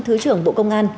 thứ trưởng bộ công an